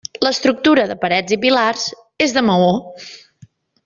L'estructura de parets i pilars és de maó.